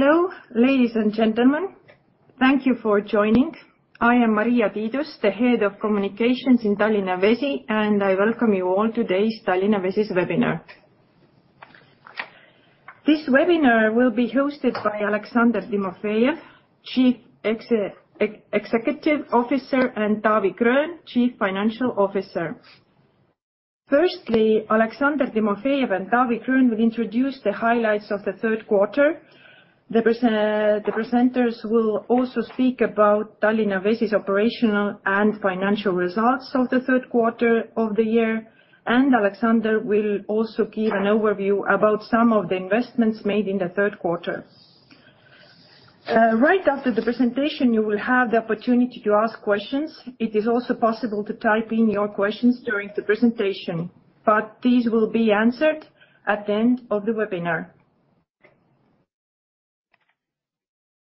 Hello, ladies and gentlemen. Thank you for joining. I am Maria Tiidus, the Head of Communications in Tallinna Vesi, and I welcome you all to today's Tallinna Vesi's webinar. This webinar will be hosted by Aleksandr Timofejev, Chief Executive Officer, and Taavi Gröön, Chief Financial Officer. Firstly, Aleksandr Timofejev and Taavi Gröön will introduce the highlights of the third quarter. The presenters will also speak about Tallinna Vesi's operational and financial results of the third quarter of the year, and Aleksandr will also give an overview about some of the investments made in the third quarter. Right after the presentation, you will have the opportunity to ask questions. It is also possible to type in your questions during the presentation, but these will be answered at the end of the webinar.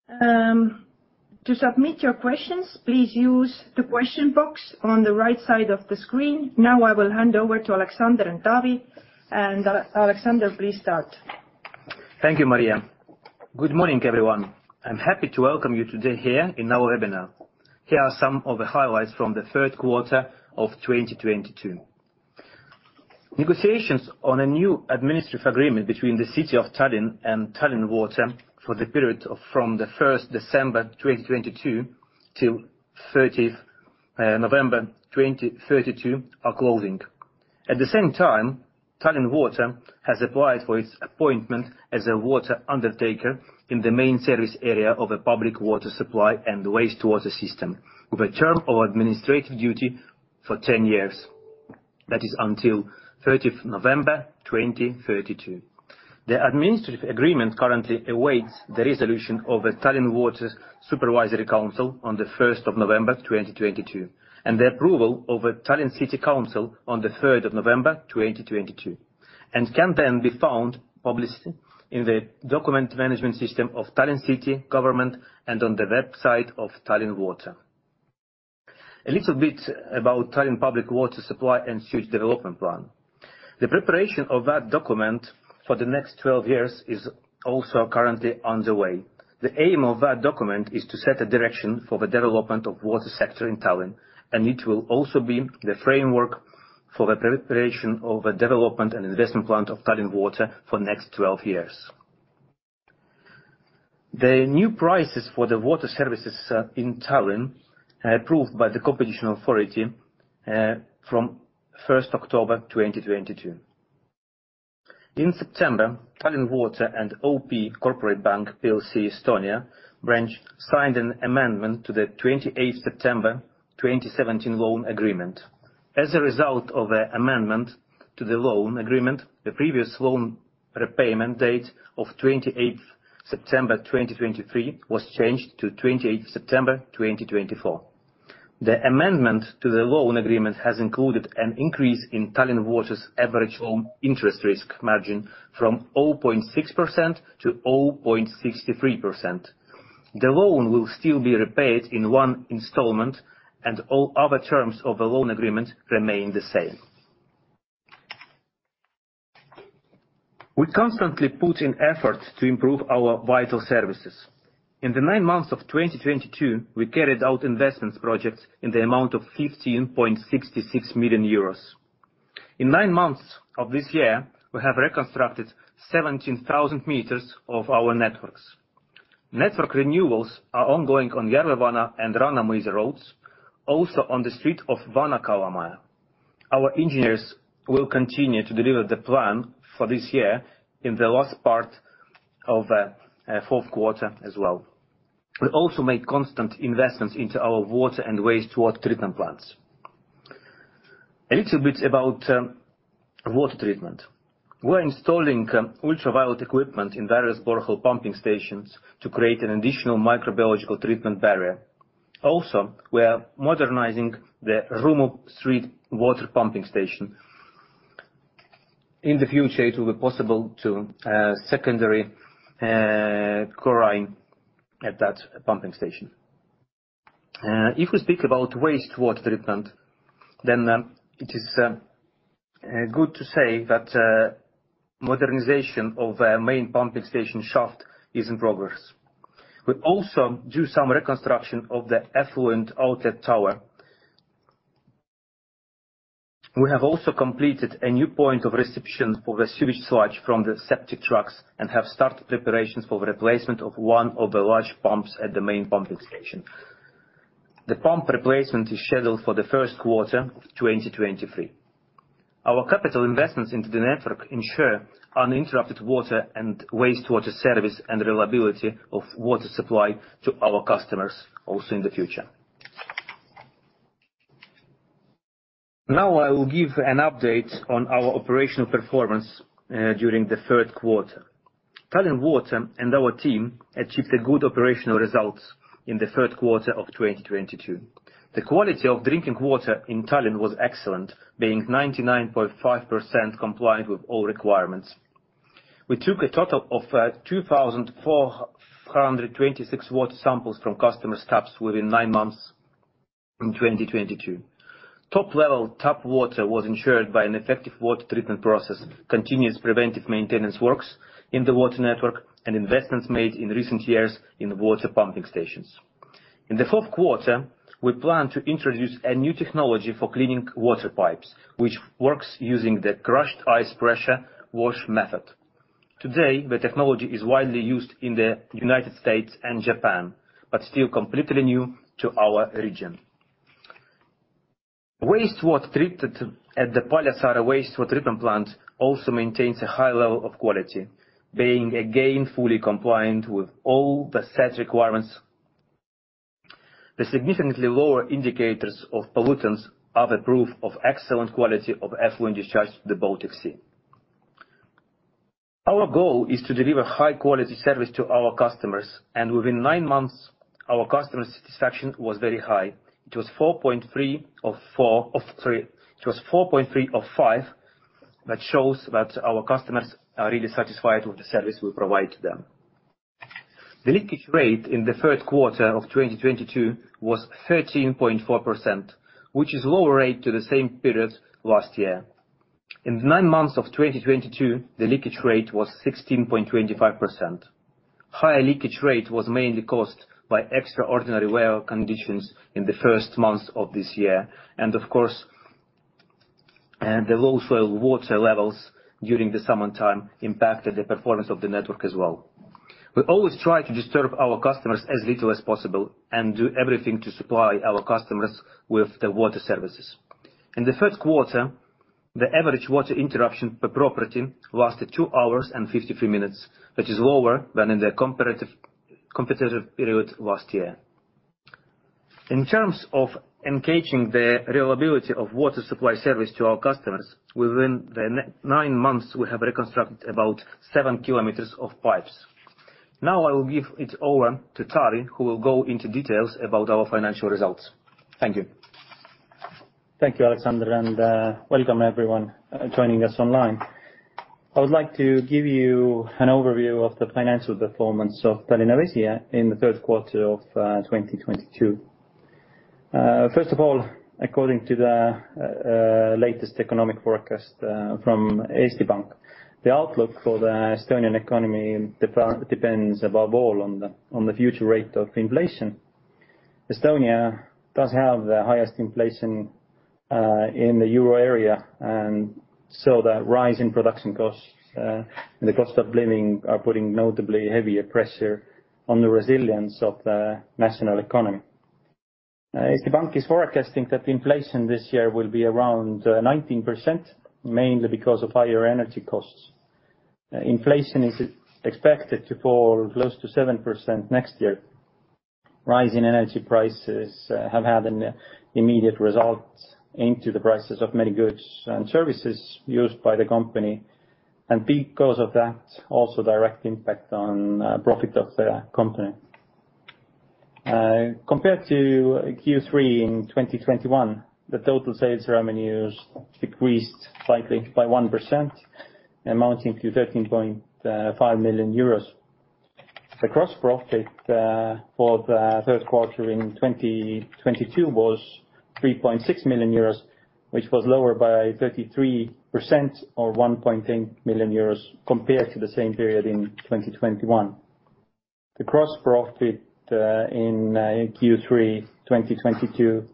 To submit your questions, please use the question box on the right side of the screen. Now I will hand over to Aleksandr and Taavi. Aleksandr, please start. Thank you, Maria. Good morning, everyone. I'm happy to welcome you today here in our webinar. Here are some of the highlights from the third quarter of 2022. Negotiations on a new administrative agreement between the city of Tallinn and Tallinn Water for the period from the 1 December, 2022 to 30 November, 2032 are closing. At the same time, Tallinn Water has applied for its appointment as a water undertaker in the main service area of a public water supply and wastewater system with a term of administrative duty for 10 years, that is until 30 November 2032. The administrative agreement currently awaits the resolution of the Tallinn Water Supervisory Council on the 1 November, 2022, and the approval of the Tallinn City Council on the 3 November, 2022 and can then be found published in the document management system of Tallinn City Government and on the website of Tallinn Water. A little bit about Tallinn public water supply and sewage development plan. The preparation of that document for the next 12 years is also currently underway. The aim of that document is to set a direction for the development of water sector in Tallinn, and it will also be the framework for the preparation of the development and investment plan of Tallinn Water for next 12 years. The new prices for the water services in Tallinn are approved by the Competition Authority from 1 October, 2022. In September, Tallinn Water and OP Corporate Bank plc Estonian Branch signed an amendment to the 28 September, 2017 loan agreement. As a result of the amendment to the loan agreement, the previous loan repayment date of 28 September, 2023 was changed to 28 September, 2024. The amendment to the loan agreement has included an increase in Tallinn Water average loan interest risk margin from 0.6% to 0.63%. The loan will still be repaid in one installment, and all other terms of the loan agreement remain the same. We constantly put in effort to improve our vital services. In the nine months of 2022, we carried out investments projects in the amount of 15.66 million euros. In nine months of this year, we have reconstructed 17,000 meters of our networks. Network renewals are ongoing on Järvevana and Rannamõisa roads, also on the street of Vana-Kalamaja. Our engineers will continue to deliver the plan for this year in the last part of fourth quarter as well. We also make constant investments into our water and wastewater treatment plants. A little bit about water treatment. We're installing ultraviolet equipment in various borehole pumping stations to create an additional microbiological treatment barrier. Also, we are modernizing the Rummu Street water pumping station. In the future, it will be possible to secondary chlorinate at that pumping station. If we speak about wastewater treatment, then it is good to say that modernization of a main pumping station shaft is in progress. We also do some reconstruction of the effluent outlet tower. We have also completed a new point of reception for the sewage sludge from the septic trucks and have started preparations for replacement of one of the large pumps at the main pumping station. The pump replacement is scheduled for the first quarter of 2023. Our capital investments into the network ensure uninterrupted water and wastewater service and reliability of water supply to our customers also in the future. Now I will give an update on our operational performance during the third quarter. Tallinn Water and our team achieved a good operational results in the third quarter of 2022. The quality of drinking water in Tallinn was excellent, being 99.5% compliant with all requirements. We took a total of 2,426 water samples from customer taps within nine months in 2022. Top-level tap water was ensured by an effective water treatment process, continuous preventive maintenance works in the water network, and investments made in recent years in the water pumping stations. In the fourth quarter, we plan to introduce a new technology for cleaning water pipes, which works using the crushed ice pressure wash method. Today, the technology is widely used in the United States and Japan, but still completely new to our region. Wastewater treated at the Paljassaare Wastewater Treatment Plant also maintains a high level of quality, being again fully compliant with all the set requirements. The significantly lower indicators of pollutants are the proof of excellent quality of effluent discharge to the Baltic Sea. Our goal is to deliver high quality service to our customers, and within nine months, our customer satisfaction was very high. It was 4.3 of 3... It was 4.3 out of 5, that shows that our customers are really satisfied with the service we provide to them. The leakage rate in the third quarter of 2022 was 13.4%, which is lower than the same period last year. In the nine months of 2022, the leakage rate was 16.25%. Higher leakage rate was mainly caused by extraordinary weather conditions in the first months of this year. Of course, the low soil water levels during the summer time impacted the performance of the network as well. We always try to disturb our customers as little as possible and do everything to supply our customers with the water services. In the first quarter, the average water interruption per property lasted 2 hours and 53 minutes, which is lower than in the comparative period last year. In terms of engaging the reliability of water supply service to our customers, within the nine months we have reconstructed about 7 km of pipes. Now I will give it over to Taavi, who will go into details about our financial results. Thank you. Thank you, Aleksandr, and welcome everyone joining us online. I would like to give you an overview of the financial performance of Tallinna Vesi in the third quarter of 2022. First of all, according to the latest economic forecast from SEB Pank, the outlook for the Estonian economy depends above all on the future rate of inflation. Estonia does have the highest inflation in the euro area, and the rise in production costs and the cost of living are putting notably heavier pressure on the resilience of the national economy. SEB Pank is forecasting that the inflation this year will be around 19%, mainly because of higher energy costs. Inflation is expected to fall close to 7% next year. Rising energy prices have had an immediate result in the prices of many goods and services used by the company, and because of that, also direct impact on profit of the company. Compared to Q3 in 2021, the total sales revenues decreased slightly by 1%, amounting to 13.5 million euros. The gross profit for the third quarter in 2022 was 3.6 million euros, which was lower by 33% or 1.8 million euros compared to the same period in 2021. The gross profit in Q3 2022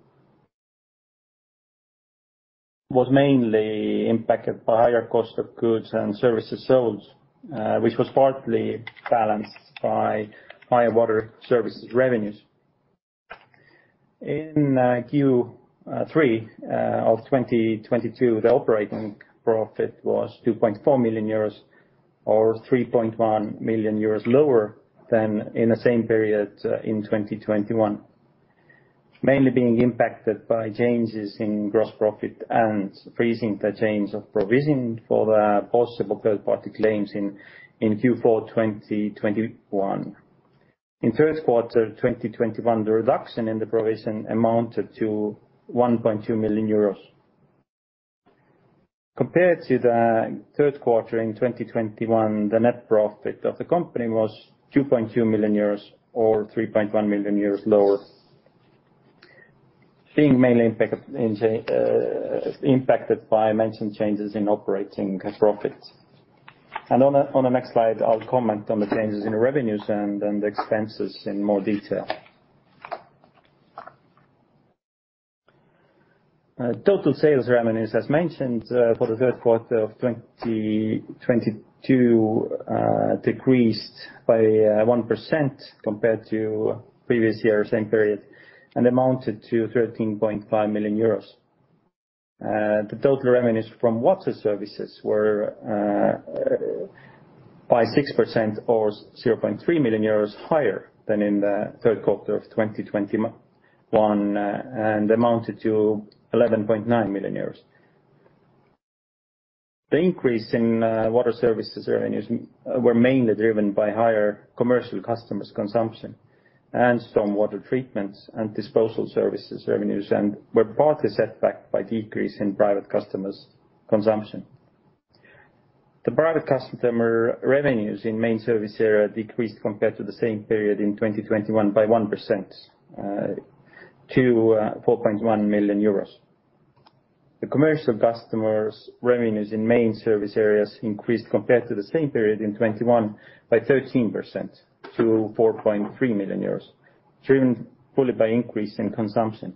was mainly impacted by higher cost of goods and services sold, which was partly balanced by higher water services revenues. In Q3 of 2022, the operating profit was 2.4 million euros or 3.1 million euros lower than in the same period in 2021. Mainly being impacted by changes in gross profit and freezing the change of provision for the possible third party claims in Q4 2021. In third quarter 2021, the reduction in the provision amounted to 1.2 million euros. Compared to the third quarter in 2021, the net profit of the company was 2.2 million euros or 3.1 million euros lower. Being mainly impacted by mentioned changes in operating profit. On the next slide, I'll comment on the changes in revenues and expenses in more detail. Total sales revenues, as mentioned, for the third quarter of 2022, decreased by 1% compared to previous year same period and amounted to 13.5 million euros. The total revenues from water services were by 6% or 0.3 million euros higher than in the third quarter of 2021, and amounted to 11.9 million euros. The increase in water services revenues were mainly driven by higher commercial customers' consumption and some water treatments and disposal services revenues, and were partly set back by decrease in private customers' consumption. The private customer revenues in main service area decreased compared to the same period in 2021 by 1%, to 4.1 million euros. The commercial customers' revenues in main service areas increased compared to the same period in 2021 by 13% to 4.3 million euros, driven fully by increase in consumption.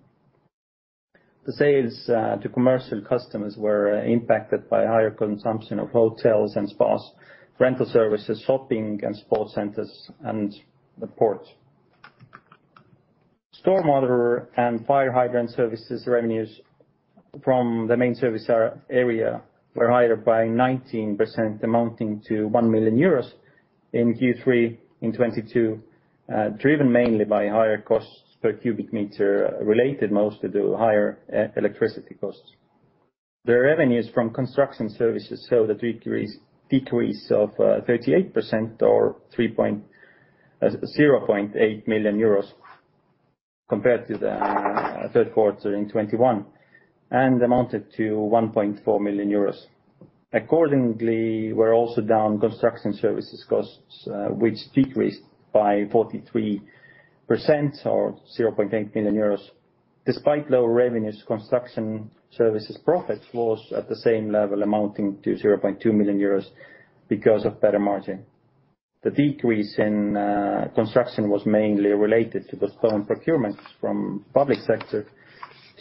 The sales to commercial customers were impacted by higher consumption of hotels and spas, rental services, shopping and sports centers, and the port. Storm water and fire hydrant services revenues from the main service area were higher by 19%, amounting to 1 million euros in Q3 2022, driven mainly by higher costs per cubic meter, related mostly to higher electricity costs. The revenues from construction services showed a decrease of 38% or 0.8 million euros compared to the third quarter in 2021, and amounted to 1.4 million euros. Accordingly, were also down construction services costs, which decreased by 43% or 0.8 million euros. Despite low revenues, construction services profits was at the same level, amounting to 0.2 million euros because of better margin. The decrease in construction was mainly related to postponed procurements from public sector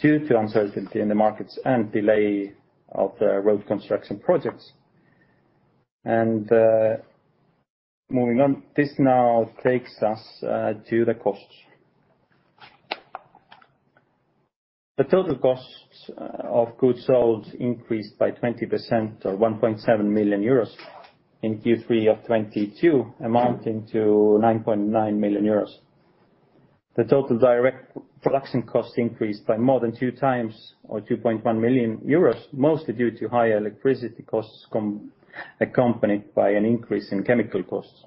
due to uncertainty in the markets and delay of the road construction projects. Moving on. This now takes us to the costs. The total costs of goods sold increased by 20% or 1.7 million euros in Q3 of 2022, amounting to 9.9 million euros. The total direct production cost increased by more than 2x or 2.1 million euros, mostly due to higher electricity costs accompanied by an increase in chemical costs.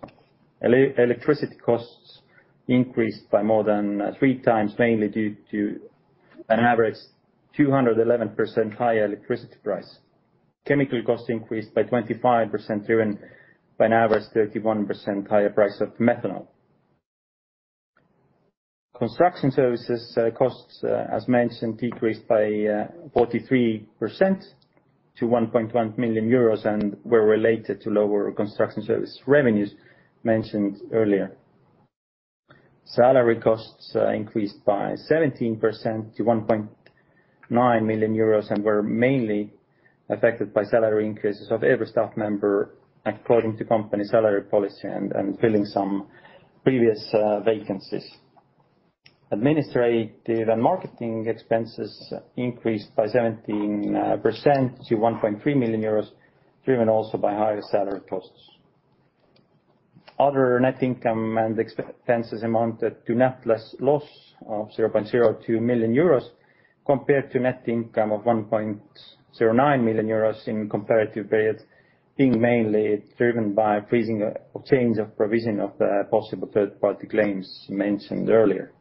Electricity costs increased by more than 3x, mainly due to an average 211% higher electricity price. Chemical costs increased by 25%, driven by an average 31% higher price of methanol. Construction services costs, as mentioned, decreased by 43% to 1.1 million euros and were related to lower construction service revenues mentioned earlier. Salary costs increased by 17% to 1.9 million euros, and were mainly affected by salary increases of every staff member according to company salary policy and filling some previous vacancies. Administrative and marketing expenses increased by 17% to 1.3 million euros, driven also by higher salary costs. Other net income and expenses amounted to net loss of 0.02 million euros compared to net income of 1.09 million euros in comparative period, being mainly driven by freezing or change of provision of the possible third party claims mentioned earlier.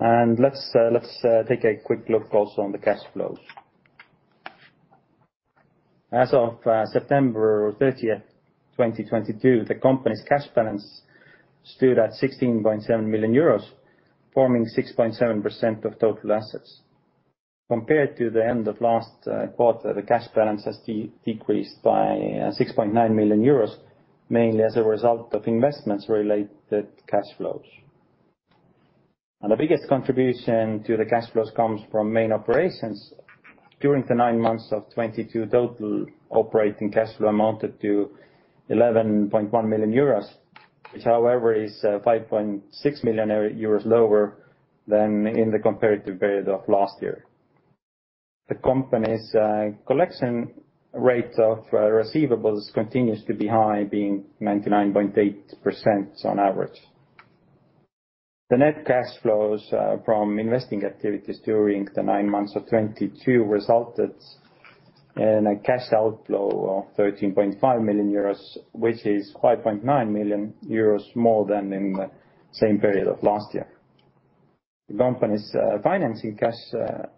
Let's take a quick look also on the cash flows. As of September 30, 2022, the company's cash balance stood at 16.7 million euros, forming 6.7% of total assets. Compared to the end of last quarter, the cash balance has decreased by 6.9 million euros, mainly as a result of investments related cash flows. The biggest contribution to the cash flows comes from main operations. During the nine months of 2022, total operating cash flow amounted to 11.1 million euros, which however is 5.6 million euros lower than in the comparative period of last year. The company's collection rate of receivables continues to be high, being 99.8% on average. The net cash flows from investing activities during the nine months of 2022 resulted in a cash outflow of 13.5 million euros, which is 5.9 million euros more than in the same period of last year. The company's financing cash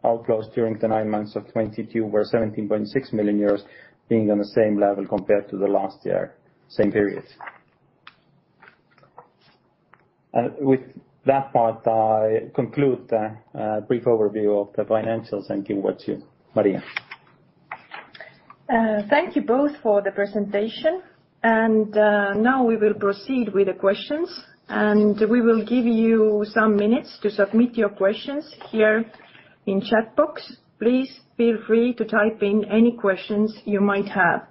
outflows during the nine months of 2022 were 17.6 million euros, being on the same level compared to the last year same period. With that part, I conclude the brief overview of the financials and give back to you, Maria. Thank you both for the presentation. Now we will proceed with the questions, and we will give you some minutes to submit your questions here in chat box. Please feel free to type in any questions you might have.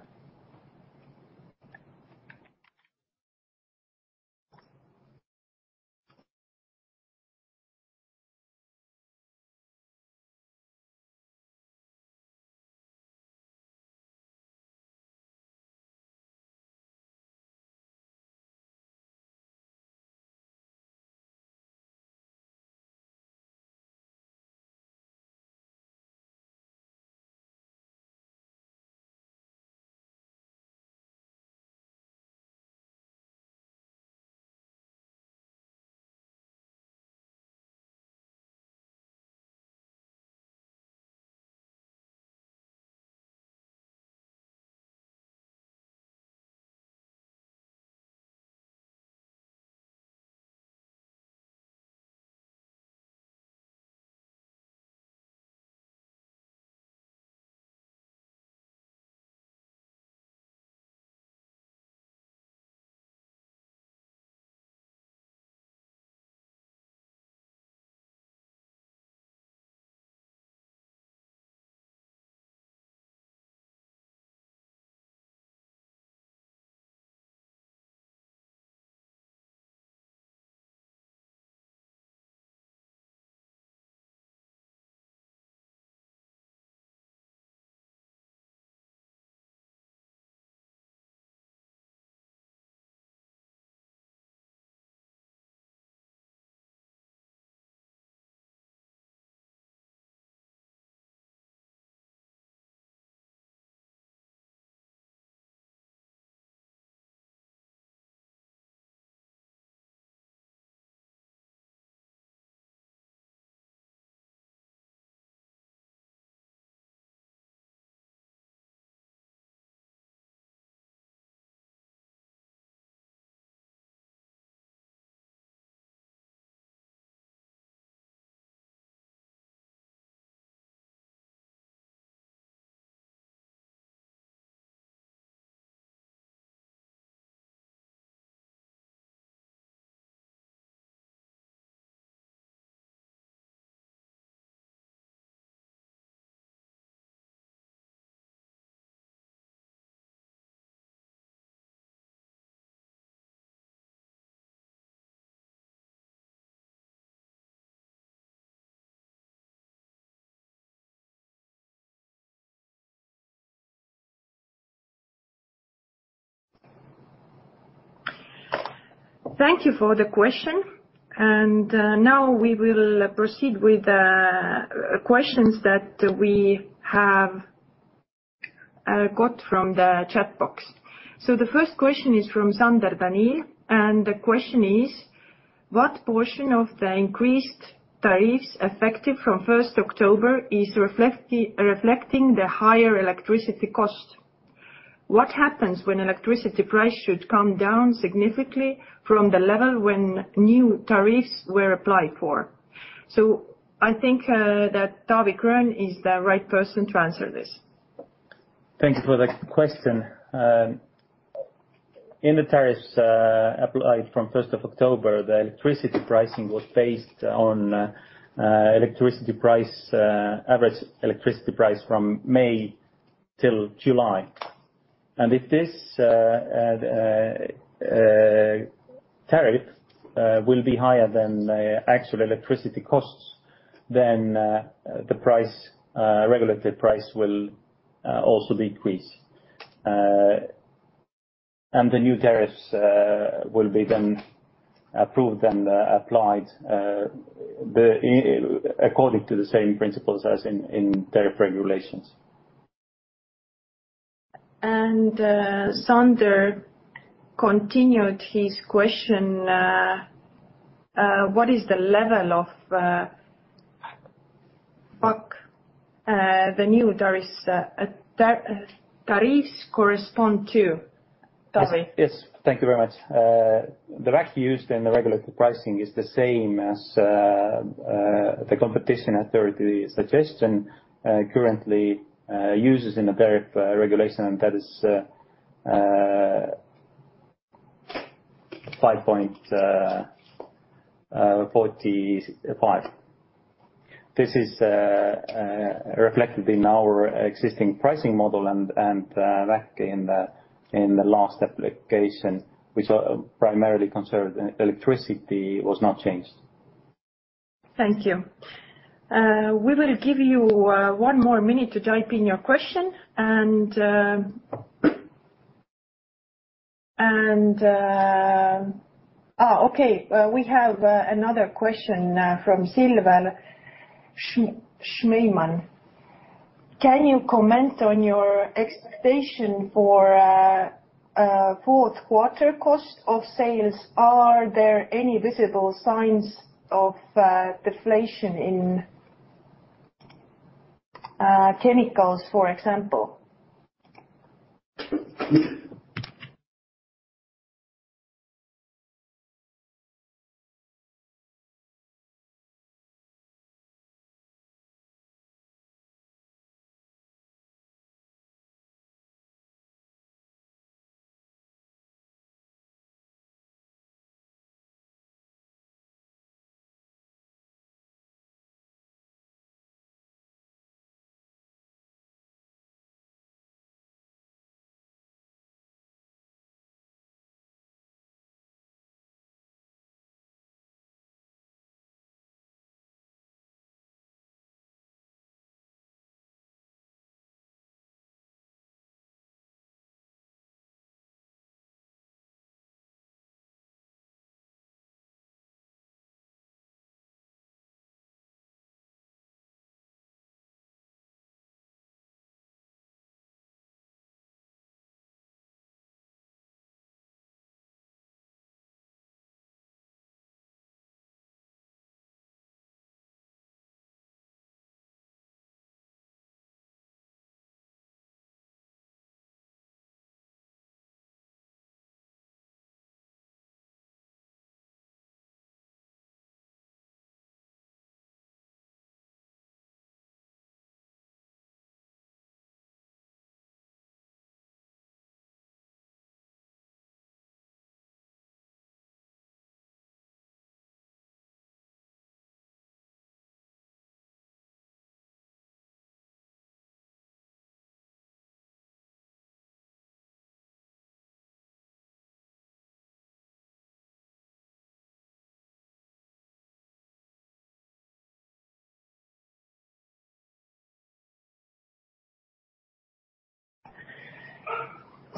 Thank you for the question. Now we will proceed with the questions that we have got from the chat box. The first question is from Sander Danil, and the question is: What portion of the increased tariffs effective from 1 October is reflecting the higher electricity cost? What happens when electricity price should come down significantly from the level when new tariffs were applied for? I think that Taavi Gröön is the right person to answer this. Thanks for the question. In the tariffs applied from 1 October, the electricity pricing was based on average electricity price from May till July. If this tariff will be higher than the actual electricity costs, then the regulated price will also decrease. The new tariffs will be then approved and applied according to the same principles as in tariff regulations. Sander continued his question: What is the level of WACC, the new tariffs correspond to? Taavi. Yes. Thank you very much. The WACC used in the regulatory pricing is the same as the Competition Authority suggestion currently uses in the tariff regulation, and that is 5.45%. This is reflected in our existing pricing model and WACC in the last application, which primarily concerned electricity, was not changed. Thank you. We will give you one more minute to type in your question. We have another question from Silver Tamm: Can you comment on your expectation for fourth quarter cost of sales? Are there any visible signs of deflation in chemicals, for example?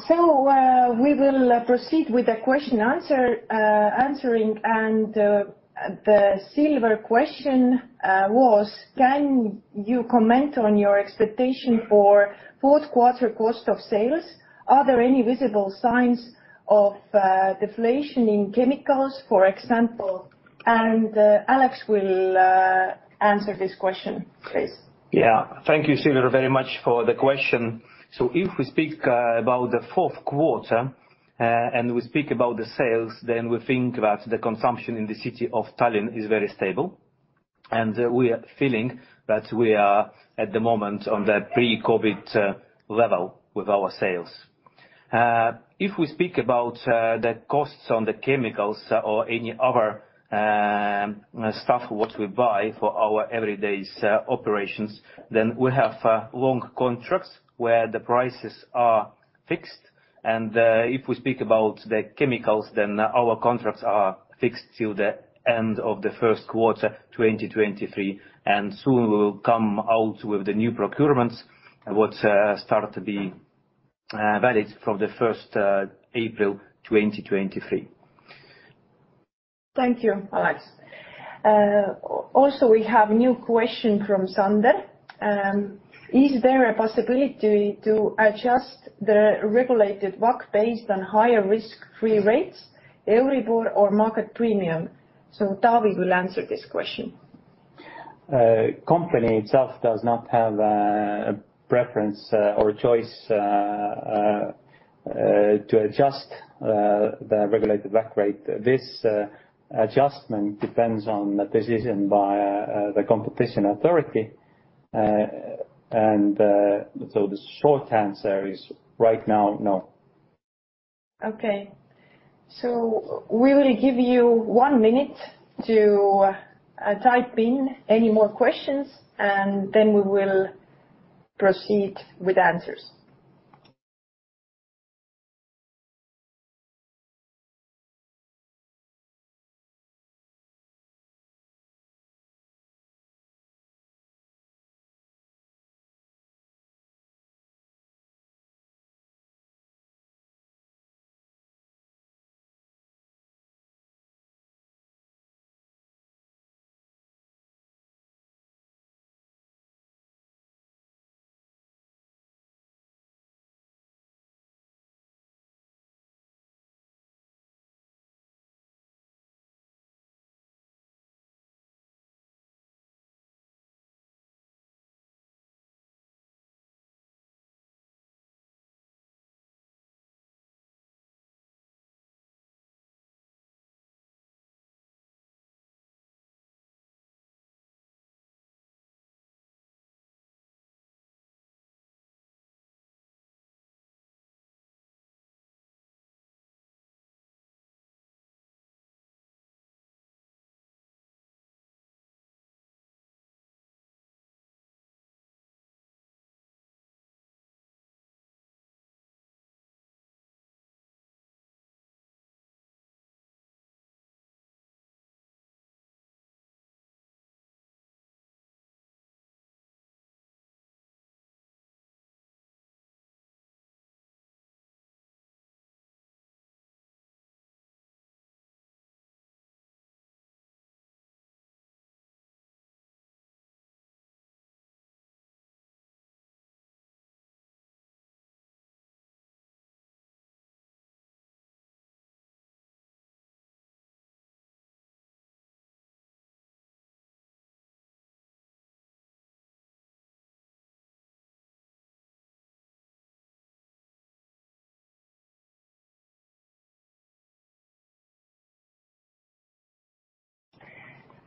We will proceed with answering the Silver's question, which was, "Can you comment on your expectation for fourth quarter cost of sales? Are there any visible signs of deflation in chemicals, for example?" Aleksandr will answer this question please. Yeah. Thank you, Silver, very much for the question. If we speak about the fourth quarter and we speak about the sales, then we think that the consumption in the city of Tallinn is very stable. We are feeling that we are at the moment on the pre-COVID level with our sales. If we speak about the costs on the chemicals or any other stuff what we buy for our everyday operations, then we have long contracts where the prices are fixed. If we speak about the chemicals, then our contracts are fixed till the end of the first quarter 2023. Soon we'll come out with the new procurements what start to be valid from the 1 April, 2023. Thank you, Aleksandr. Also we have new question from Sander. Is there a possibility to adjust the regulated WACC based on higher risk-free rates, Euribor or market premium? Taavi will answer this question. The company itself does not have a preference or choice to adjust the regulated WACC rate. This adjustment depends on the decision by the Competition Authority. The short answer is right now, no. Okay. We will give you one minute to type in any more questions, and then we will proceed with answers.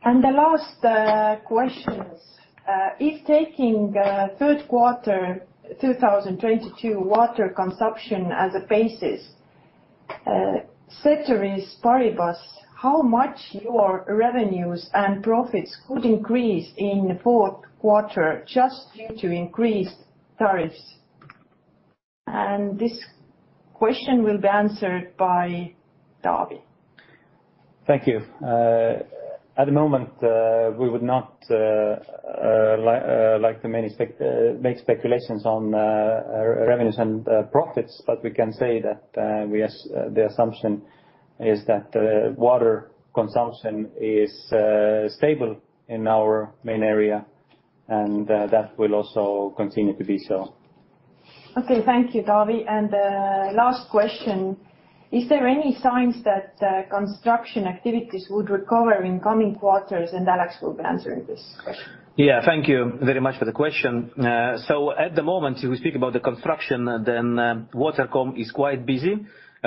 The last question is, if taking the third quarter 2022 water consumption as a basis, ceteris paribus, how much your revenues and profits could increase in the fourth quarter just due to increased tariffs? This question will be answered by Taavi. Thank you. At the moment, we would not like to make speculations on revenues and profits, but we can say that the assumption is that water consumption is stable in our main area, and that will also continue to be so. Okay, thank you, Taavi. Last question, is there any signs that construction activities would recover in coming quarters? Alek will be answering this question. Yeah. Thank you very much for the question. At the moment, if we speak about the construction, then, Watercom is quite busy.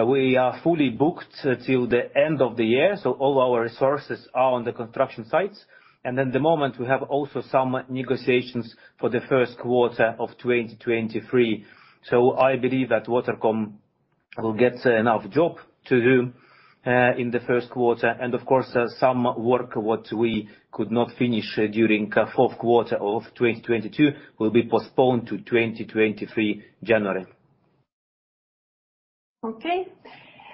We are fully booked till the end of the year, so all our resources are on the construction sites. At the moment we have also some negotiations for the first quarter of 2023. I believe that Watercom will get enough job to do in the first quarter. Of course, some work what we could not finish during fourth quarter of 2022 will be postponed to January 2023. Okay.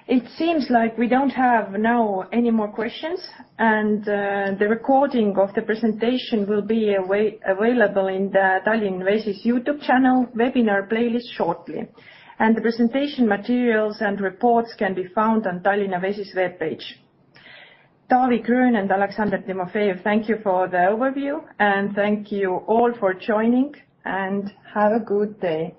It seems like we don't have now any more questions. The recording of the presentation will be available in the Tallinna Vesi YouTube channel webinar playlist shortly. The presentation materials and reports can be found on Tallinna Vesi webpage. Taavi Gröön and Aleksandr Timofejev, thank you for the overview, and thank you all for joining and have a good day.